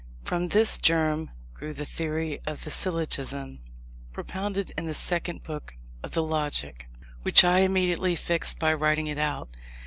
From this germ grew the theory of the Syllogism propounded in the Second Book of the Logic; which I immediately fixed by writing it out.